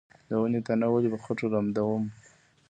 د ونې تنه ولې په خټو لمدوم؟